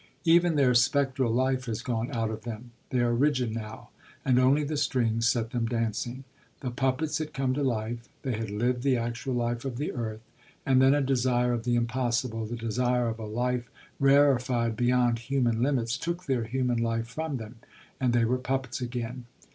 Even their spectral life has gone out of them; they are rigid now, and only the strings set them dancing. The puppets had come to life, they had lived the actual life of the earth; and then a desire of the impossible, the desire of a life rarefied beyond human limits, took their human life from them, and they were puppets again.